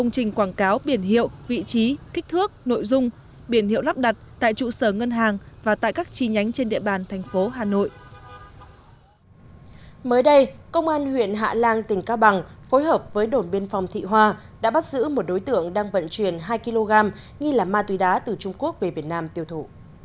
nghi là ma tuy đá từ trung quốc về việt nam tiêu thụ